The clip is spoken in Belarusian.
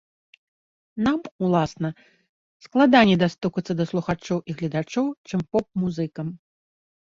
Нам, уласна, складаней дастукацца да слухачоў і гледачоў, чым поп-музыкам.